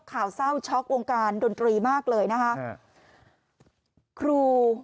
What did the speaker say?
ข่าวเศร้าช็อกวงการดนตรีมากเลยนะคะครู